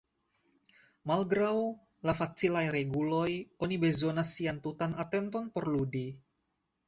Malgraŭ la facilaj reguloj, oni bezonas sian tutan atenton por ludi.